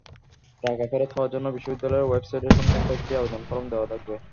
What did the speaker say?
টাকা ফেরত পাওয়ার জন্য বিশ্ববিদ্যালয়ের ওয়েবসাইটে এ-সংক্রান্ত একটি আবেদন ফরম দেওয়া থাকবে।